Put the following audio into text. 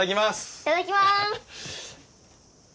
いただきます！